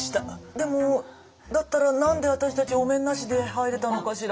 でもだったら何で私たちお面なしで入れたのかしら。